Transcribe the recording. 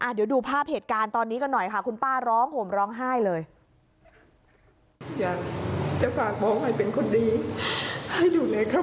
เดี๋ยวดูภาพเหตุการณ์ตอนนี้กันหน่อยค่ะคุณป้าร้องห่มร้องไห้เลย